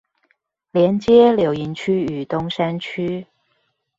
連接柳營區與東山區